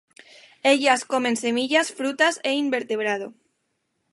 Ellas comen semillas, frutas e invertebrado.